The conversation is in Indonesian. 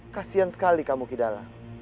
kasian sekali kamu kidalang